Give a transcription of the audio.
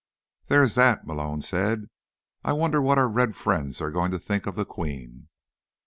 "There is that," Malone said. "I wonder what our Red friends are going to think of the Queen."